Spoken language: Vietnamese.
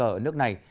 ở nước này